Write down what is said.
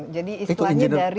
jadi istilahnya dari